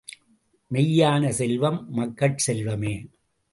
மெய்யான செல்வம் மக்கட் செல்வமே.